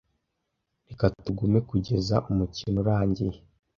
Reka tugume kugeza umukino urangiye.